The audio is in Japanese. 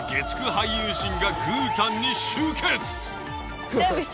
俳優陣が「グータン」に集結。